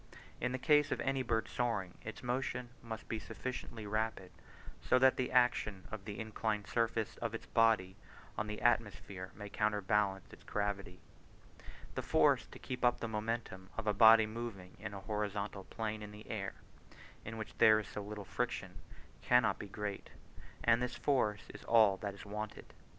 In the case of any bird soaring, its motion must be sufficiently rapid so that the action of the inclined surface of its body on the atmosphere may counterbalance its gravity. The force to keep up the momentum of a body moving in a horizontal plane in the air (in which there is so little friction) cannot be great, and this force is all that is wanted.